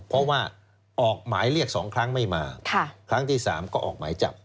เพราะว่าออกหมายเรียก๒ครั้งไม่มาครั้งที่๓ก็ออกหมายจับ